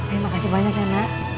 terima kasih banyak ya nak